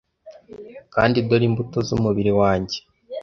kandi dore imbuto z'umubiri wanjye